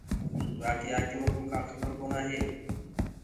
ارآ ڪي آگي مڪوُ ڪآ کبر ڪونآ هي۔